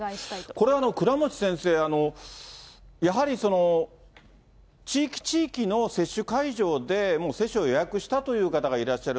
これ、倉持先生、やはり地域地域の接種会場で接種を予約したという方がいらっしゃる。